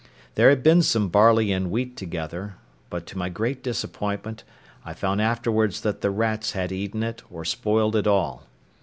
There had been some barley and wheat together; but, to my great disappointment, I found afterwards that the rats had eaten or spoiled it all.